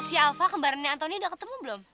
si alva kemarin antoni udah ketemu belum